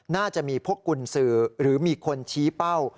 น่าจะมีพวกกุญสือหรือมีคนชี้เป้า